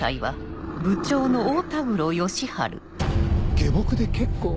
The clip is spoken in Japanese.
下僕で結構。